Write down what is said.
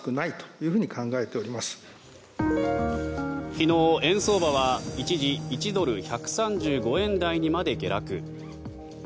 昨日、円相場は一時、１ドル＝１３５円台にまで下落。